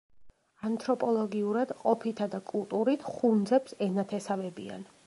ანთროპოლოგიურად, ყოფითა და კულტურით ხუნძებს ენათესავებიან.